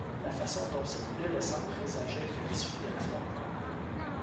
La façon dont s'écoulait le sang présageait de l'issue de l’affrontement.